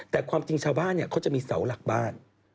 แต่ความจริงชาวบ้านเขาจะมีเสาหลักบ้าน